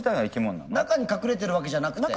中に隠れてるわけじゃなくて。